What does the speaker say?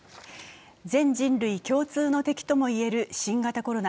全人類共通の敵とも言える新型コロナ。